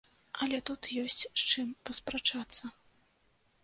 Але тут ёсць з чым паспрачацца.